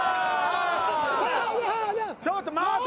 ちょっと待て！